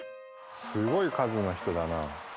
すごい数の人だな。